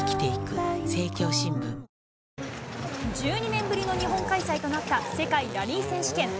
１２年ぶりの日本開催となった世界ラリー選手権。